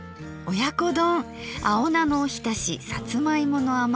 親子丼！